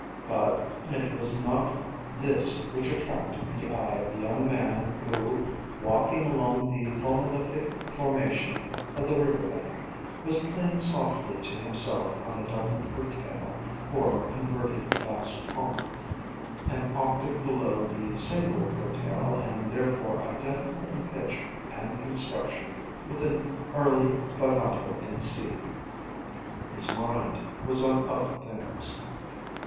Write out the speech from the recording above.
"] But it was not this which attracted the eye of the young man who, walking along the phonolithic formation of the river bank, was playing softly to himself on a double curtail, or converted bass pommer, an octave below the single curtail and therefore identical in pitch and construction with the early fagotto in C. His mind was on other things.